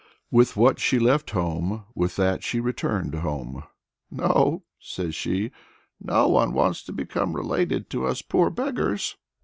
With what she left home, with that she returned home. "No," she says, "no one wants to become related to us poor beggars."